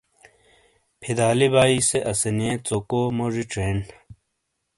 فدا علی بھائی سے اسانئیے ژوکو موجی چینڈ۔